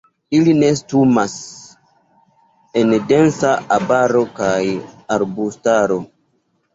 Ili nestumas en densa arbaro kaj arbustaro.